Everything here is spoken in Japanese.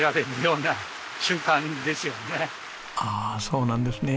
ああそうなんですね。